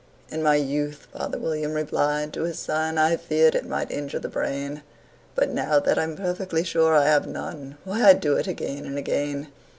"In my youth," father William replied to his son, "I feared it might injure the brain; But, now that I'm perfectly sure I have none, Why, I do it again and again."